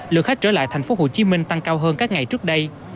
lượng khách trở lại tp hcm tăng cao hơn các ngày trước đây